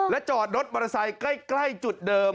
จอดรถมอเตอร์ไซค์ใกล้จุดเดิม